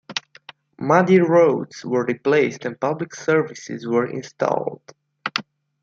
Muddy roads were replaced and public services were installed.